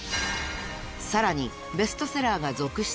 ［さらにベストセラーが続出］